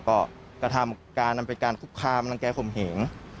ก็กระทำการมันเป็นการคุกคามรังแก่ข่มเหง